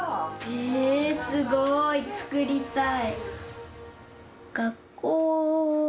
えすごい！作りたい。